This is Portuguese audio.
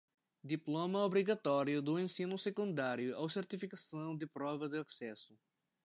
Diploma obrigatório do ensino secundário ou certificação de prova de acesso.